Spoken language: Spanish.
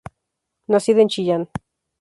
Nacida en Chillán.